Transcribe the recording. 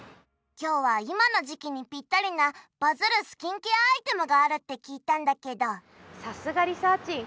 今日は今の時期にぴったりなバズるスキンケアアイテムがあるって聞いたんだけどさすがリサーちん